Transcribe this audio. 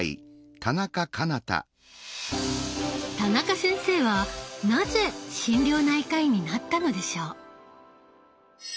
田中先生はなぜ心療内科医になったのでしょう？